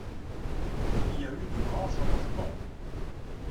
Il y a eu de grands changement.